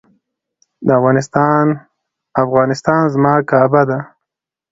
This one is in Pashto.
افغانستان زما کعبه ده